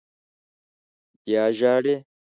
_بيا ژاړې!